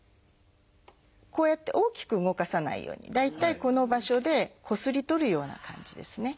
こうやって大きく動かさないように大体この場所でこすり取るような感じですね。